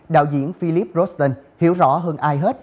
đạo diễn philip rosten hiểu rõ hơn ai hết